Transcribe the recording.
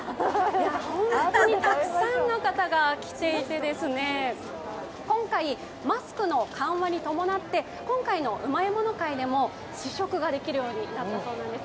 本当にたくさんの方が来ていて、今回マスクの緩和に伴って今回のうまいもの会でも試食ができるようになったんです。